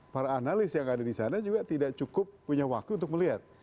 para analis yang ada di sana juga tidak cukup punya waktu untuk melihat